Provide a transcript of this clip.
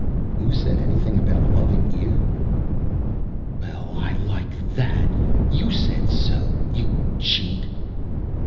"Who said anything about loving you?" "Well, I like that! You said so, you cheat!"